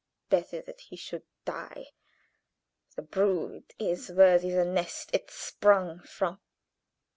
Better he should die. The brood is worthy the nest it sprung from.